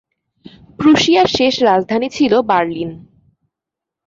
প্রুশিয়ার শেষ রাজধানী ছিল বার্লিন।